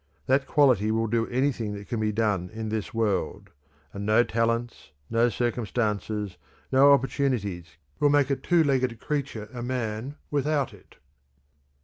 That quality will do anything that can be done in this world, and no talents, no circumstances, no opportunities will make a two legged creature a man without it."